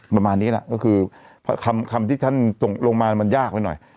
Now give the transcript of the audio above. ประมาณนี้แหละก็คือคำที่ท่านตกลงมามันยากไปหน่อย